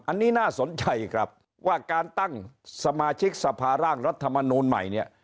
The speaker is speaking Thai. อันนี้น่าสนใจครับว่าการตั้งสมาชิกสภาร่างรัฐมนูลใหม่เนี่ย